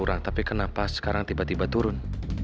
kurang tapi kenapa sekarang tiba tiba turun